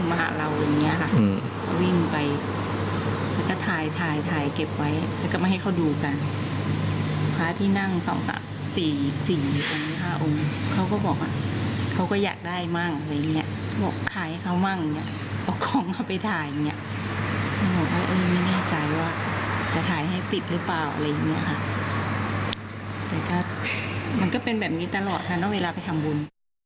บอกว่าไม่แน่ใจว่าจะถ่ายให้ติดหรือเปล่าอะไรอย่างนี้ครับแต่มันก็เป็นแบบนี้ตลอดนะเวลาไปทำบุญ